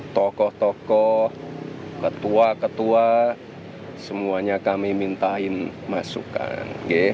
tokoh tokoh ketua ketua semuanya kami mintain masukan